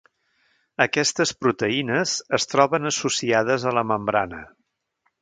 Aquestes proteïnes es troben associades a la membrana.